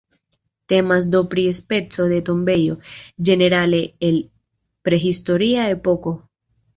Temas do pri speco de tombejo, ĝenerale el prahistoria epoko.